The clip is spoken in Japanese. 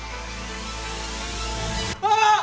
あっ！